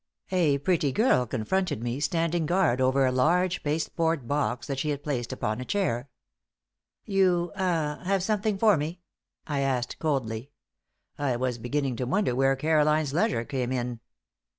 A pretty girl confronted me, standing guard over a large pasteboard box that she had placed upon a chair. "You ah have something for me?" I asked, coldly. I was beginning to wonder where Caroline's leisure came in.